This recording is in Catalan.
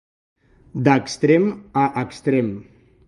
D'extrem a extrem.